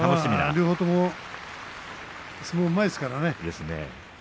両者とも相撲がうまいですからね。